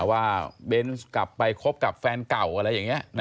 ว่าเบนส์กลับไปคบกับแฟนเก่าอะไรอย่างนี้